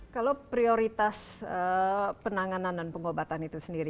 kalau prioritas penanganan dan pengobatan itu sendiri